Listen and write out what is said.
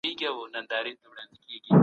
د نوو تخنیکونو زده کړه مهمه ده.